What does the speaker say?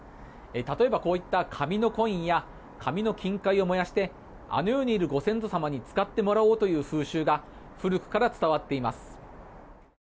例えばこういった紙のコインや紙の金塊を燃やしてあの世にいるご先祖様に使ってもらおうという風習が古くから伝わっています。